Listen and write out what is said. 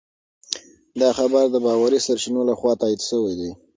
دا خبر د باوري سرچینو لخوا تایید شوی دی.